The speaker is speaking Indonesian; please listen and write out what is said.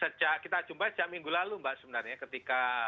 sejak kita jumpa sejak minggu lalu mbak sebenarnya ketika